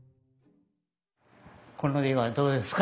この絵はどうですか？